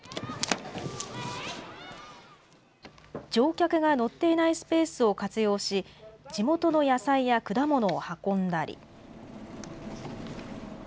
乗客が乗っていないスペースを活用し、地元の野菜や果物を運んだり。